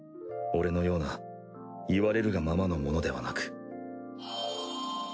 俺のような言われるがままの者ではなく。